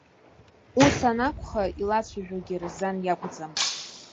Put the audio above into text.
Ус анакәха, илацәажәогьы Разан иакәӡам.